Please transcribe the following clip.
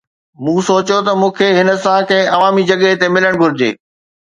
مون سوچيو ته مون کي هن سان ڪنهن عوامي جڳهه تي ملڻ گهرجي.